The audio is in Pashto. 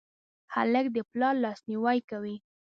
هلک د پلار لاسنیوی کوي.